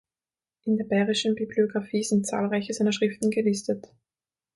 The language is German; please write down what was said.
In der Bayerischen Bibliographie sind zahlreiche seiner Schriften gelistet.